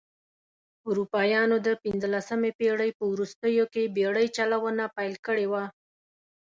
اروپایانو د پنځلسمې پېړۍ په وروستیو کې بېړۍ چلونه پیل کړې وه.